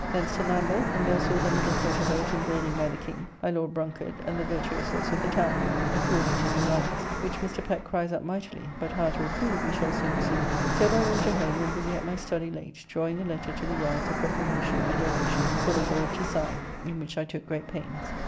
Thence to Lambeth; and there saw the little pleasure boat in building by the King, my Lord Brunkard, and the virtuosoes of the town, according to new lines, which Mr. Pett cries up mightily, but how it will prove we shall soon see. So by water home, and busy at my study late, drawing a letter to the yards of reprehension and direction for the board to sign, in which I took great pains.